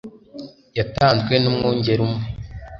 yatanzwe n'umwungeri umwe